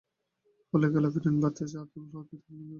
ফলে খেলাপি ঋণ বাড়তে থাকছে আর দুর্বল হতে থাকছে ব্যাংকের স্বাস্থ্য।